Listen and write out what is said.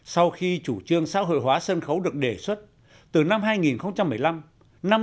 sau khi chủ trương xã hội hóa sân khấu được đề xuất từ năm hai nghìn một mươi năm